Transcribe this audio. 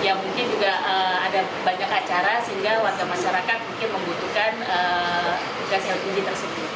ya mungkin juga ada banyak acara sehingga warga masyarakat mungkin membutuhkan gas yang tinggi tersebut